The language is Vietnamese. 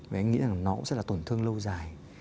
và anh nghĩ rằng nó cũng sẽ là tổn thương lâu dài